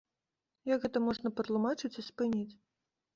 Як гэта можна патлумачыць і спыніць?